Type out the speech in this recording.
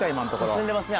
進んでますね